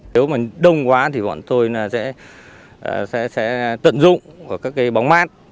nếu mà đông quá thì bọn tôi sẽ tận dụng các cái bóng mát